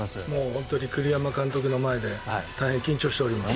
本当に栗山監督の前で大変緊張しております。